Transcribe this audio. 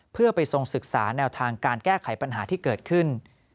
เพื่อไปทรงศึกษาแนวทางการแก้ไขปัญหาที่เกิดขึ้น